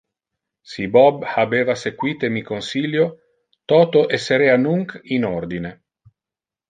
Si Bob habeva sequite mi consilio, toto esserea nunc in ordine.